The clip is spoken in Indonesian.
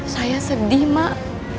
saya sedih mak